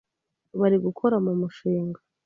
bari gukora mu mushinga